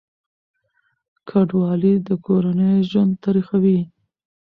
کډوالي د کورنیو ژوند تریخوي.